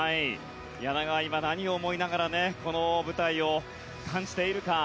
柳川は今、何を思いながらこの舞台を感じているか。